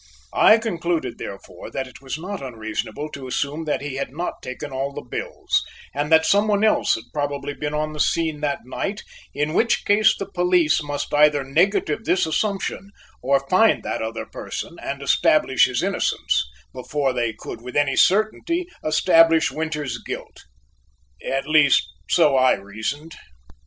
I concluded, therefore, that it was not unreasonable to assume that he had not taken all the bills and that some one else had probably been on the scene that night, in which case the police must either negative this assumption or find that other person, and establish his innocence, before they could with any certainty establish Winters's guilt. At least so I reasoned.